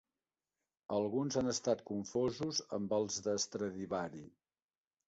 Alguns han estat confosos amb els de Stradivari.